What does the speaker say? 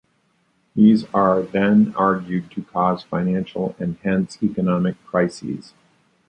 These are then argued to cause financial and hence economic crises.